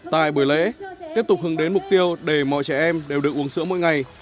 tại buổi lễ tiếp tục hứng đến mục tiêu để mọi trẻ em đều được uống sữa mỗi ngày